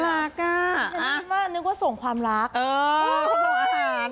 โหน่ารักอ่ะฉันนึกว่าส่งความรักเออส่งอาหาร